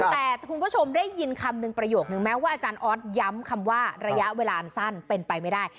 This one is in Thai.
แต่คุณผู้ชมได้ยินคำหนึ่งประโยคนึงแม้ว่าอาจารย์ออสย้ำคำว่าระยะเวลาสั้นเป็นไปไม่ได้